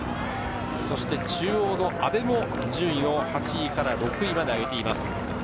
中央の阿部も順位を８位から６位に上げています。